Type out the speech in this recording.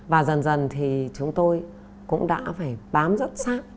và dần dần thì chúng tôi cũng đã phải bám rất sát